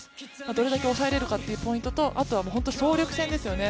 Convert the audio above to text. どれだけ抑えられるかというポイントと、あとは総力戦ですよね